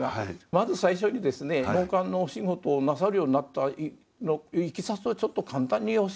まず最初にですね納棺のお仕事をなさるようになったいきさつをちょっと簡単に教えて頂けませんでしょうか。